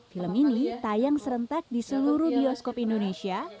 film ini tayang serentak di seluruh bioskop indonesia